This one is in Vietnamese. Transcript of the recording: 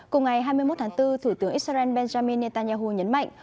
cùng ngày hai mươi một tháng bốn thủ tướng israel benjamin netanyahu nhấn mạnh